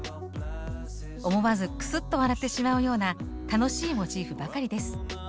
思わずクスッと笑ってしまうような楽しいモチーフばかりです。